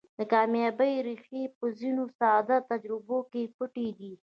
د کاميابۍ ريښې په ځينو ساده تجربو کې پټې دي.